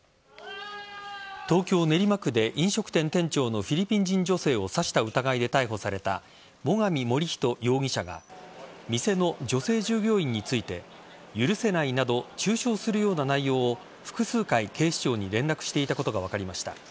東京・練馬区で飲食店店長のフィリピン人女性を刺した疑いで逮捕された最上守人容疑者が店の女性従業員について許せないなど中傷するような内容を複数回、警視庁に連絡していたことが分かりました。